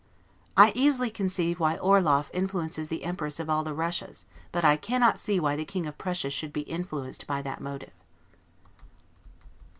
I easily conceive why Orloff influences the Empress of all the Russias; but I cannot see why the King of Prussia should be influenced by that motive.